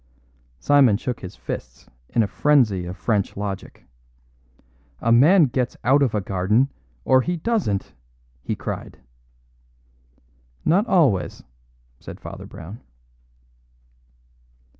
Simon shook his fists in a frenzy of French logic. "A man gets out of a garden, or he doesn't," he cried. "Not always," said Father Brown.